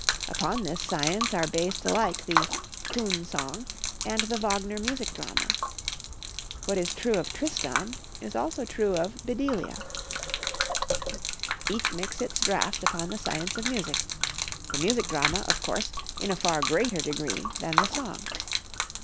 Upon this science are based alike the "coon song" and the Wagner music drama. What is true of "Tristan" is true also of "Bedelia." Each makes its draft upon the science of music; the music drama, of course, in a far greater degree than the song.